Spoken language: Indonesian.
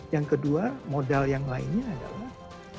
yang kedua modal yang lainnya adalah